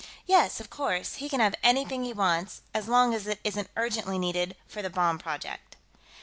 "Yes, of course, he can have anything he wants, as long as it isn't urgently needed for the bomb project."